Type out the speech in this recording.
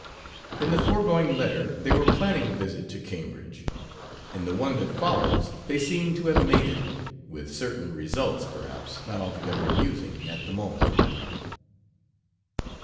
In the foregoing letter they were planning a visit to Cambridge. In the one that follows they seem to have made it with certain results, perhaps not altogether amusing at the moment.